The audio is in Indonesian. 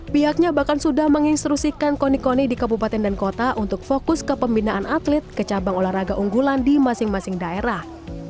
pihaknya bahkan sudah menginstrusikan koni koni di kabupaten dan kota untuk fokus ke pembinaan atlet ke cabang olahraga unggulan di masing masing daerah